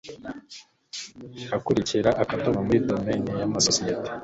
Irakurikira akadomo muri domaine yamasosiyete